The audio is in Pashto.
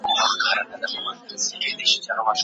که اوبه مدیریت سي موږ به پر ځان بسیا سو.